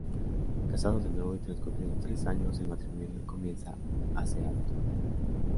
Casados de nuevo y transcurridos tres años, el matrimonio comienza a hacer aguas.